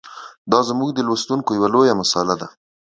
دا زموږ د لوستونکو یوه لویه مساله ده.